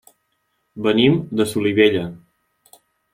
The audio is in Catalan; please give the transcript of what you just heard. Venim de Solivella.